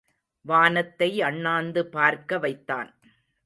வானத்தை அண்ணாந்து பார்க்க வைத்தான்.